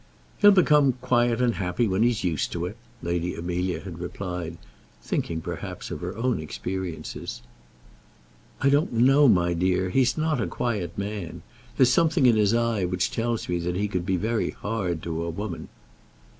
"He'll become quiet and happy when he's used to it," Lady Amelia had replied, thinking, perhaps, of her own experiences. "I don't know, my dear; he's not a quiet man. There's something in his eye which tells me that he could be very hard to a woman."